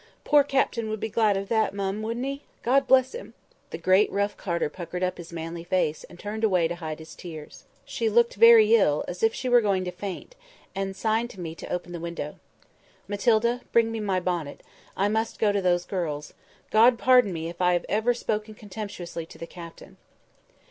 Poor Captain would be glad of that, mum, wouldn't he? God bless him!" The great rough carter puckered up his manly face, and turned away to hide his tears. I turned to Miss Jenkyns. She looked very ill, as if she were going to faint, and signed to me to open the window. "Matilda, bring me my bonnet. I must go to those girls. God pardon me, if ever I have spoken contemptuously to the Captain!"